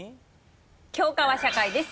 教科は社会です。